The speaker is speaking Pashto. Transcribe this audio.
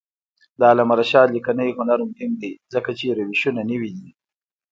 د علامه رشاد لیکنی هنر مهم دی ځکه چې روشونه نوي دي.